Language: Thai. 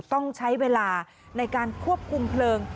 ต้องใช้เวลาในการควบคุมเพลิง